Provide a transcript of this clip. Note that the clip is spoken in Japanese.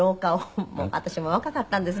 私も若かったんですね。